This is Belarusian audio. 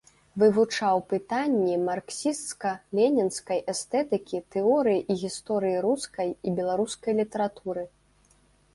Вывучаў пытанні марксісцка-ленінскай эстэтыкі, тэорыі і гісторыі рускай і беларускай літаратуры.